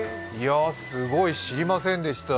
すごい、知りませんでした。